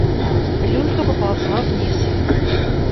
Люлька поползла вниз.